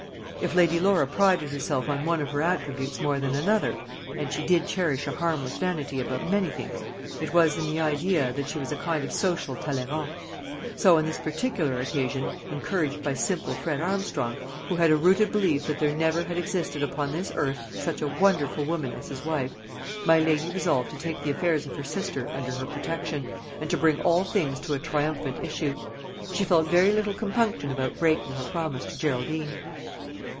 If Lady Laura prided herself on one of her attributes more than another and she did cherish a harmless vanity about many things it was in the idea that she was a kind of social Talleyrand. So on this particular occasion, encouraged by simple Fred Armstrong, who had a rooted belief that there never had existed upon this earth such a wonderful woman as his wife, my lady resolved to take the affairs of her sister under her protection, and to bring all things to a triumphant issue. She felt very little compunction about breaking her promise to Geraldine.